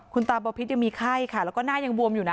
คุณตาบอพิษยังมีไข้ค่ะแล้วก็หน้ายังบวมอยู่นะ